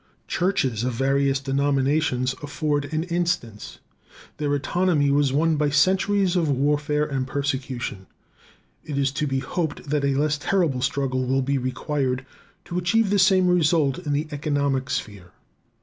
Churches of various denominations afford an instance. Their autonomy was won by centuries of warfare and persecution. It is to be hoped that a less terrible struggle will be required to achieve the same result in the economic sphere.